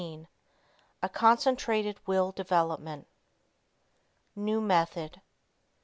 A CONCENTRATED WILL DEVELOPMENT New Method.